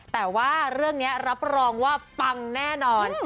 แต่ว่าเรื่องนี้รับรองว่าปังแน่นอน